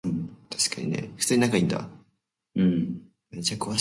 貢献するが